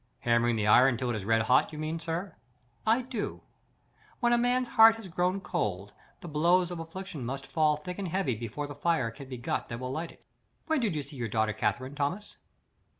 "Hammering the iron till it is red hot, you mean, sir?" "I do. When a man's heart has grown cold, the blows of affliction must fall thick and heavy before the fire can be got that will light it.—When did you see your daughter Catherine, Thomas?"